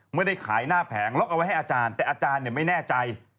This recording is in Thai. ไม่ได้ขายหน้าแผงล็อกเอาไว้ให้อาจารย์แต่อาจารย์ไม่แน่ใจ